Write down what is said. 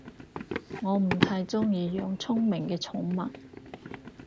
我唔太鍾意養聰明嘅寵物